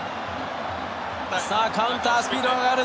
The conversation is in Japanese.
さあカウンタースピードが上がる。